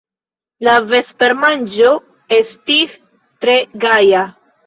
La vespermanĝo estis tre gaja.